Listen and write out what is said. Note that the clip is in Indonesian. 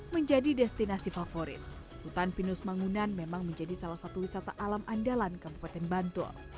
menjadi destinasi favorit hutan pinus mangunan memang menjadi salah satu wisata alam andalan kabupaten bantul